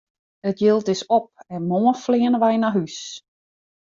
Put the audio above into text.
It jild is op en moarn fleane wy nei hús!